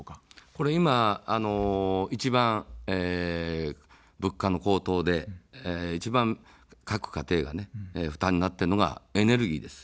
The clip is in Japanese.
ここは一番、物価の高騰で一番各家庭が負担になっているのがエネルギーです。